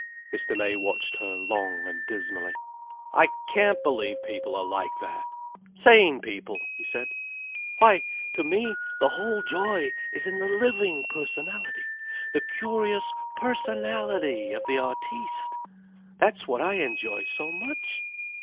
Mr. May watched her long and dismally. "I can't believe people are like that!—sane people!" he said. "Why, to me the whole joy is in the living personality, the curious personality of the artiste. That's what I enjoy so much."